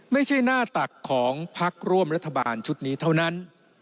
ไม่ใช่หน้าตักของพักร่วมรัฐบาลชุดนี้เท่านั้น